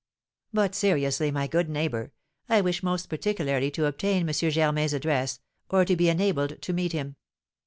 "But, seriously, my good neighbour, I wish most particularly to obtain M. Germain's address, or to be enabled to meet him.